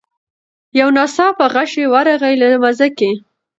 یو ناڅاپه غشی ورغی له مځکي